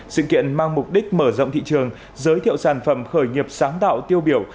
sự kiện mang mục đích mở rộng thị trường giới thiệu sản phẩm khởi nghiệp sáng tạo tiêu biểu